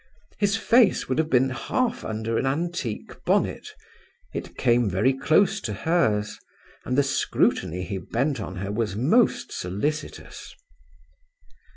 His face would have been half under an antique bonnet. It came very close to hers, and the scrutiny he bent on her was most solicitous.